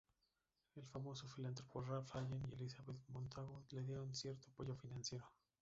El famoso filántropo Ralph Allen y Elizabeth Montagu le dieron cierto apoyo financiero.